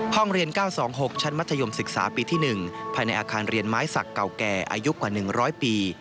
ห้องเรียน๙๒๖ชั้นมัธยมศึกษาปีที่๑ภายในอาคารเรียนไม้สักเก่าแก่อายุกว่า๑๐๐ปี